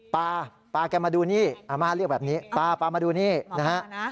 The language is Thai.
ปลาปลาแกมาดูนี่อาม่าเรียกแบบนี้ปลาปลามาดูนี่นะฮะ